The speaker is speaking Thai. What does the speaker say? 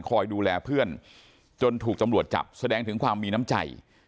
คอยดูแลเพื่อนจนถูกตำรวจจับแสดงถึงความมีน้ำใจ